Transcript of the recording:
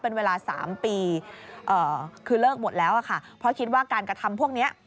เป็นเวลา๓ปีคือเลิกหมดแล้วอะค่ะเพราะคิดว่าการกระทำพวกนี้